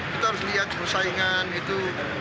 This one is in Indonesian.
kita harus lihat persaingan gitu